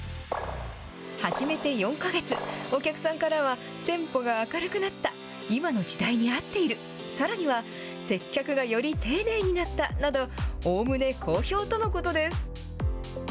初めて４か月、お客さんからは店舗が明るくなった今の時代に合っているさらには接客がより丁寧になったなどおおむね好評とのことです。